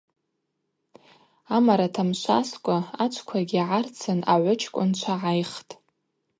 Амара тамшваскӏва ачвквагьи гӏарцын агӏвычкӏвынчва гӏайхтӏ.